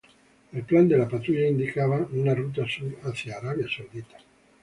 El plan de la patrulla indicaba una ruta sur hacia Arabia Saudita.